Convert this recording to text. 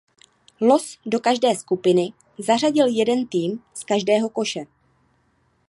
Los do každé skupiny zařadil jeden tým z každého koše.